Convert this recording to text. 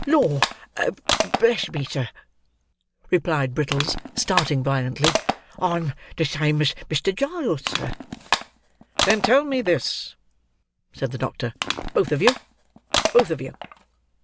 "Lord bless me, sir!" replied Brittles, starting violently; "I'm the same as Mr. Giles, sir." "Then tell me this," said the doctor, "both of you, both of you!